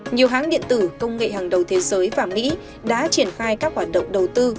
nhiều hãng điện tử công nghệ hàng đầu thế giới và mỹ đã triển khai các hoạt động đầu tư